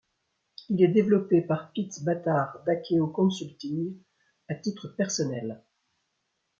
Il est développé par Pete Batard d'Akeo Consulting, à titre personnel.